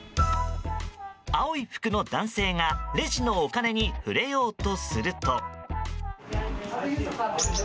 青い服の男性がレジのお金に触れようとすると。